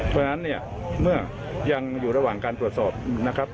เพราะฉะนั้นเนี่ยเมื่อยังอยู่ระหว่างการตรวจสอบนะครับ